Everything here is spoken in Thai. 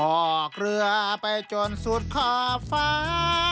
ออกเรือไปจนสุดขอบฟ้า